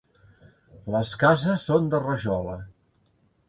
Les cases són de rajola.